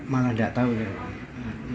mana gak tahu ya pak